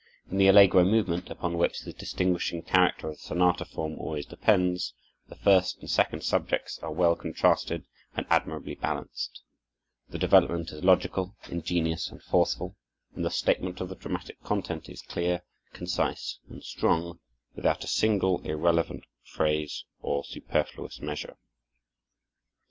In the allegro movement, upon which the distinguishing character of the sonata form always depends, the first and second subjects are well contrasted and admirably balanced, the development is logical, ingenious, and forceful, and the statement of the dramatic content is clear, concise, and strong, without a single irrelevant phrase or superfluous measure.